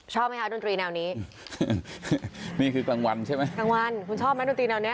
ชอบไหมคะดนตรีแนวนี้นี่คือกลางวันใช่ไหมกลางวันคุณชอบไหมดนตรีแนวเนี้ย